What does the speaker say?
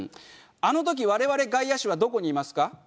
あの時我々外野手はどこにいますか？